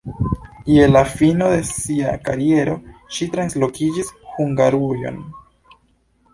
Je la fino de sia kariero ŝi translokiĝis Hungarujon.